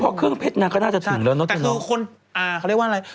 เพราะเครื่องเพชรนางก็น่าจะถึงแล้วเนอะแต่คือคนอ่าเขาเรียกว่าอะไร